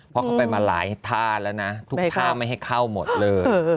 เพราะเขาไปมาหลายท่าแล้วนะทุกท่าไม่ให้เข้าหมดเลย